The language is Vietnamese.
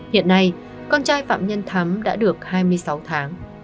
hiện nay con trai phạm nhân thắm đã được hai mươi sáu tháng